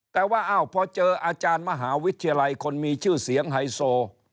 แต่ว่าอ้าวพอเจออาจารย์มหาวิทยาลัยคนมีชื่อเสียงไฮโซ